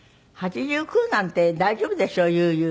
８９なんて大丈夫でしょう悠々。